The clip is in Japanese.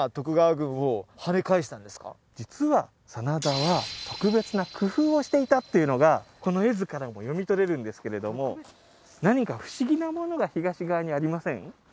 はい実は真田は特別な工夫をしていたっていうのがこの絵図からも読み取れるんですけれども何か不思議なものが東側にありません？